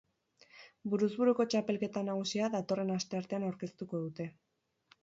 Buruz-buruko txapelketa nagusia datorren asteartean aurkeztuko dute.